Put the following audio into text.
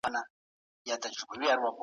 يوناني، هسپانوي، زند، پولېنډي، هالېنډي، دات،